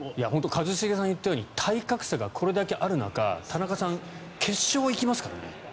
一茂さんが言ったように体格差がこれだけある中、田中さん決勝に行きますからね。